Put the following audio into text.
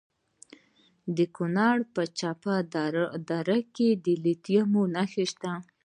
د کونړ په چپه دره کې د لیتیم نښې شته.